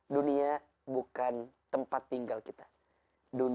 dunia bukan tempat yang kita lakukan